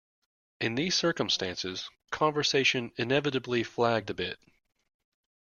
In these circumstances, conversation inevitably flagged a bit.